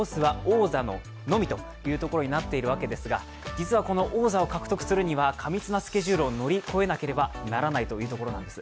実はこの王座を獲得するには、過密なスケジュールを乗り越えなければならないというところなんです。